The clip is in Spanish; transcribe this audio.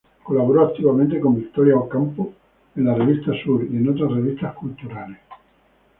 Colaboró activamente con Victoria Ocampo en la revista "Sur" y en otras revistas culturales.